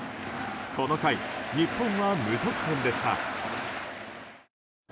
この回、日本は無得点でした。